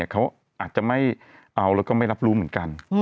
เขาอาจจะไม่เอาแล้วก็ไม่รับรู้เหมือนกัน